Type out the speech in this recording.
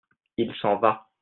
il s'en va.